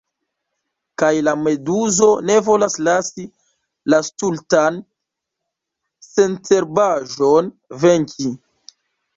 Kaj la meduzo ne volas lasi la stultan sencerbaĵon venki.